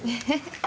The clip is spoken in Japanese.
ええ？